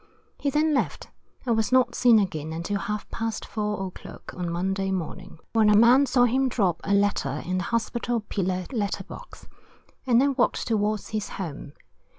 He then left, and was not seen again until half past 4. o'clock on Monday morning, when a man saw him drop a letter in the Hospital pillar letter box, and then walked towards his home.